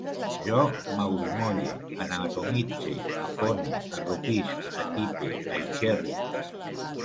Jo m'agrumolle, anatomitze, afone, arrupisc, atipe, aixerrie